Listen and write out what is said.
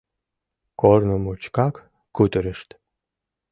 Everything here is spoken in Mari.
Корно мучкак кутырышт.